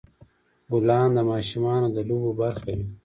ګلان د ماشومانو د لوبو برخه وي.